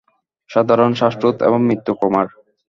সাধারণ শ্বাসরোধ এবং মৃত্যু, কুমার।